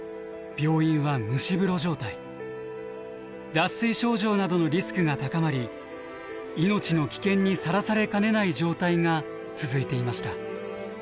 脱水症状などのリスクが高まり命の危険にさらされかねない状態が続いていました。